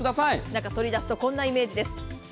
中、取り出すとこんなイメージです。